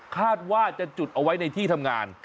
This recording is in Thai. คาดว่าจะจุดเอาไว้ในที่ทำงาน